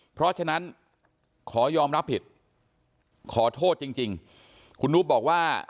เพราะฉะนั้นขอยอมรับผิดขอโทษจริงคุณนุ๊กบอกว่า